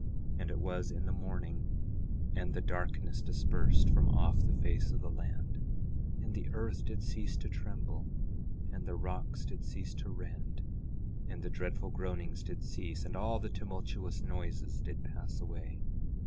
And it was in the morning, and the darkness dispersed from off the face of the land, and the earth did cease to tremble, and the rocks did cease to rend, and the dreadful groanings did cease, and all the tumultuous noises did pass away.